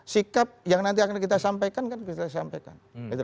sikap yang nanti akan kita sampaikan kan kita sampaikan